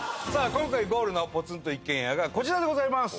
今回ゴールのポツンと一軒家がこちらでございます。